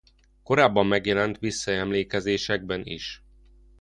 Korábban megjelent visszaemlékezésekben is.